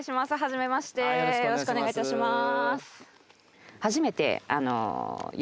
よろしくお願いします。